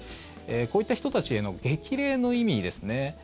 こういった人たちへの激励の意味ですね。